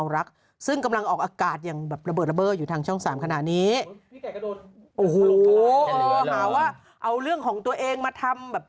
พี่ไก่กระโดนโอ้โหหาว่าเอาเรื่องของตัวเองมาทำแบบ